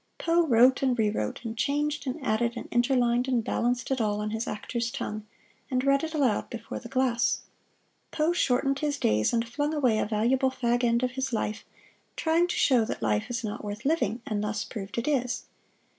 Poe wrote and rewrote, and changed and added and interlined and balanced it all on his actor's tongue, and read it aloud before the glass. Poe shortened his days and flung away a valuable fag end of his life, trying to show that life is not worth living, and thus proved it is.